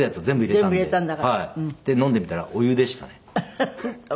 全部入れたんだから。で飲んでみたらお湯でしたね。